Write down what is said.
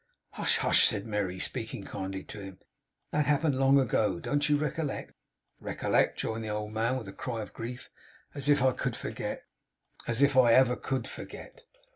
'Hush! Hush!' said Merry, speaking kindly to him. 'That happened long ago. Don't you recollect?' 'Recollect!' rejoined the old man, with a cry of grief. 'As if I could forget! As if I ever could forget!